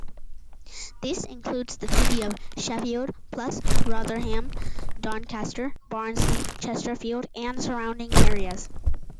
This includes the city of Sheffield, plus Rotherham, Doncaster, Barnsley, Chesterfield and surrounding areas.